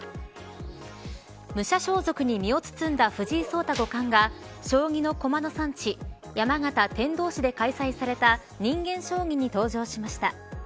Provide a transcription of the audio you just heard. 武者装束に身を包んだ藤井聡太五冠が将棋の駒の産地、山形天童市で開催された人間将棋に登場しました。